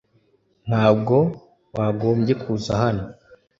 Ntabwo wagombye kuza hano .